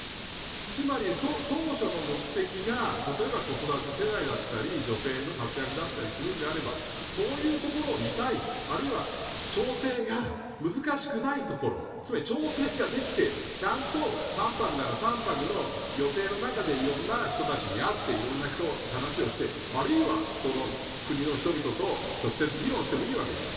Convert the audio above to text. つまり、当初の目的が例えば、子育て世代だったり女性の活躍だったりするんであればそういうところを見たいあるいは、調整が難しくないところつまり調整ができてちゃんと３泊なら３泊の予定の中でいろんな人たちに会っていろんな人と話をしてあるいは、その国の人々と直接議論してもいいわけです。